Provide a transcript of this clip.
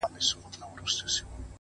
سیاه پوسي ده ـ اوښکي نڅېږي ـ